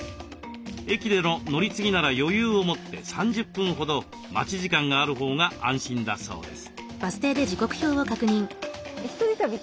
駅での乗り継ぎなら余裕を持って３０分ほど待ち時間があるほうが安心だそうです。